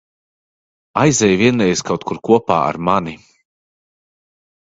Aizej vienreiz kaut kur kopā ar mani.